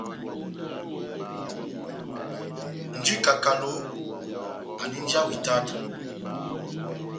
Nja wa ikakalo, andi nja wa itáta.